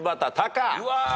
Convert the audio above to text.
うわ！